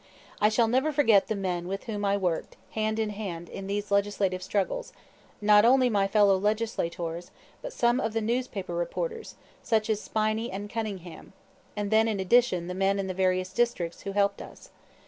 I shall never forget the men with whom I worked hand in hand in these legislative struggles, not only my fellow legislators, but some of the newspaper reporters, such as Spinney and Cunningham; and then in addition the men in the various districts who helped us.